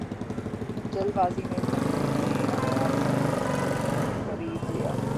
جلد بازی میں ذہن میں آیا خرید لیا